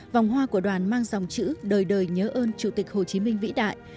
vòng hoa của đoàn mang dòng chữ đời đời nhớ ơn chủ tịch hồ chí minh vĩ đại